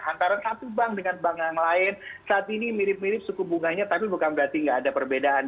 antara satu bank dengan bank yang lain saat ini mirip mirip suku bunganya tapi bukan berarti nggak ada perbedaan